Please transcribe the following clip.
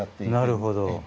なるほど。